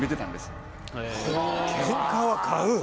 「ケンカは買う」。